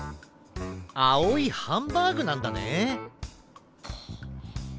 あおいハンバーグなんだね！